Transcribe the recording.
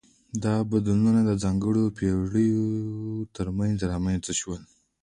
دا بدلونونه د ځانګړو پیړیو ترمنځ رامنځته شول.